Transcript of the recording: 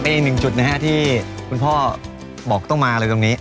ครับตีนึงจุดนะครับที่คุณพ่อบอกต้องมาเรื่องนี้